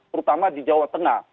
terutama di jawa tengah